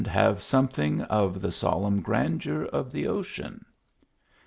ave something ol <! solemn grandeur of the ocean.